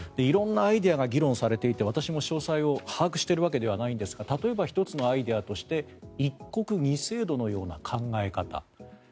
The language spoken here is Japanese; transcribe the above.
色んなアイデアが議論されていて私も詳細を把握しているわけではないんですが例えば、１つのアイデアとして一国二制度のような考え方。